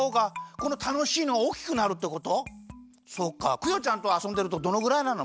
クヨちゃんとあそんでるとどのぐらいなの？